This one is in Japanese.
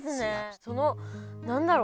その何だろう？